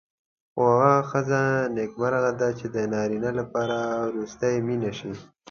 خو هغه ښځه نېکمرغه ده چې د نارینه لپاره وروستۍ مینه شي.